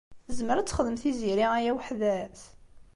Tezmer ad texdem Tiziri aya weḥd-s?